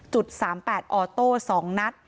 จุด๓๘ออโต้๒นัด